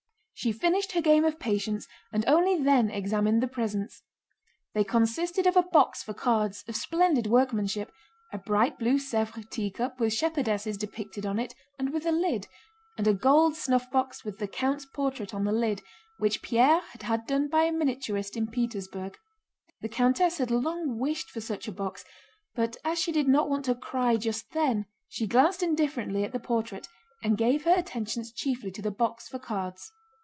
She finished her game of patience and only then examined the presents. They consisted of a box for cards, of splendid workmanship, a bright blue Sèvres tea cup with shepherdesses depicted on it and with a lid, and a gold snuffbox with the count's portrait on the lid which Pierre had had done by a miniaturist in Petersburg. The countess had long wished for such a box, but as she did not want to cry just then she glanced indifferently at the portrait and gave her attention chiefly to the box for cards.